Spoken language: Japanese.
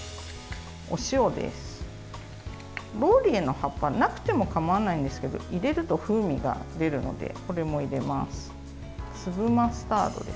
ローリエの葉っぱなくてもかまわないんですけど入れると風味が出るのでこれも入れます。